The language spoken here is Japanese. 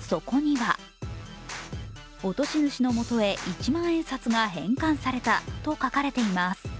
そこには、落とし主の元へ一万円札が返還されたと書かれています。